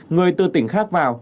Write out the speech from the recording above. người từ tỉnh khác vào